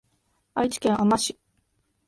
愛知県あま市